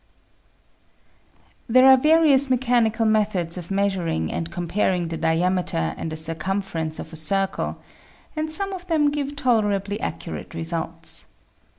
There are various mechanical methods of measuring and comparing the diameter and the circumference of a circle, and some of them give tolerably accurate results.